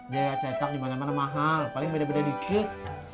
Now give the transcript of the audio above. dia cetak dimana mana mahal paling beda beda dikit